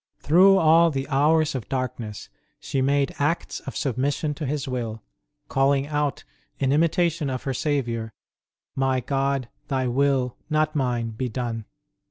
Through all the hours of darkness she made acts of submission to His will, calling out, in imitation of her Saviour, My God, Thy will, not mine, be done